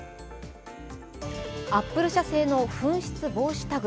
アップル社製の紛失防止タグ